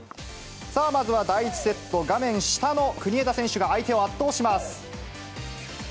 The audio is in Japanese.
まずは第１セット、画面下の国枝選手が相手を圧倒します。